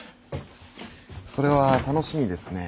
それは楽しみですね。